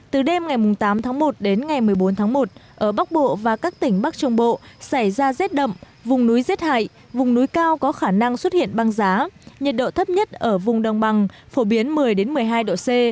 từ đêm ngày tám tháng một đến ngày một mươi bốn tháng một ở bắc bộ và các tỉnh bắc trung bộ xảy ra rét đậm vùng núi rét hại vùng núi cao có khả năng xuất hiện băng giá nhiệt độ thấp nhất ở vùng đồng bằng phổ biến một mươi một mươi hai độ c